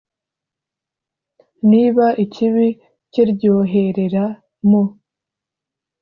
niba ikibi kiryoherera mu